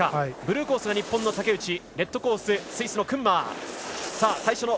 ブルーコース、日本の竹内レッドコース、スイスのクンマー。